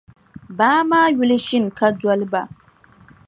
Baa maa yuli “Shinkadoliba.”.